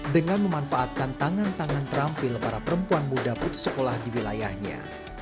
dengan memanfaatkan tangan tangan terampil para perempuan muda putus sekolah di wilayahnya